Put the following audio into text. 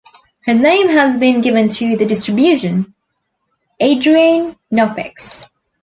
Her name has been given to the distribution: Adriane Knoppix.